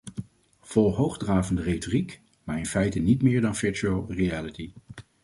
Vol hoogdravende retoriek, maar in feite niet meer dan virtual reality.